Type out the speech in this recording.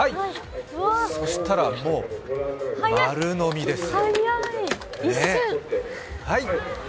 そしたら、もう丸のみです。